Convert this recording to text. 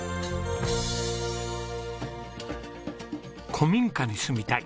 「古民家に住みたい！」。